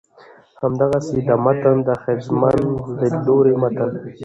همدغسې د متن ښځمن ليدلورى متن